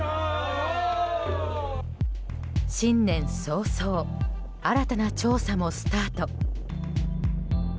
新年早々新たな調査もスタート。